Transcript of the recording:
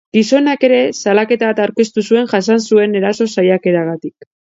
Gizonak ere salaketa bat aurkeztu zuen jasan zuen eraso saiakeragatik.